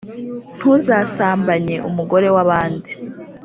Ntuzasambanye umugore wabandi